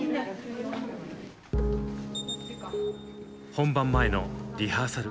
本番前のリハーサル。